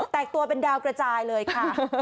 แต่งตัวเป็นดาวกระจายเลยค่ะ